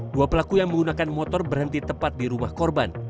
dua pelaku yang menggunakan motor berhenti tepat di rumah korban